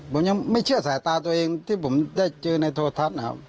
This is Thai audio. ผมยังไม่เชื่อสายตาตัวเองที่ผมได้เจอในโทรทัศน์นะครับ